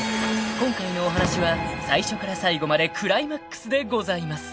［今回のお話は最初から最後までクライマックスでございます］